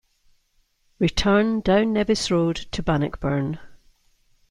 Return down Nevis Road to Bannockburn.